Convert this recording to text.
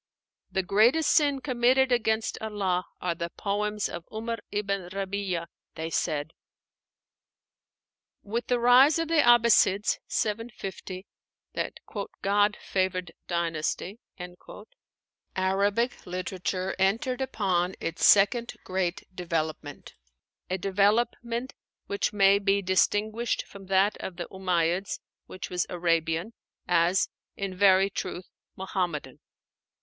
"The greatest sin committed against Allah are the poems of 'Umar ibn Rabí'a," they said. With the rise of the Abbassides (750), that "God favored dynasty," Arabic literature entered upon its second great development; a development which may be distinguished from that of the Umáyyids (which was Arabian) as, in very truth, Muhammadan.